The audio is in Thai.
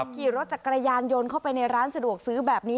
ขี่รถจักรยานยนต์เข้าไปในร้านสะดวกซื้อแบบนี้